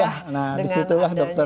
nah disitulah dokter